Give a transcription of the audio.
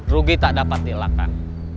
rugi tak dapat dilakukan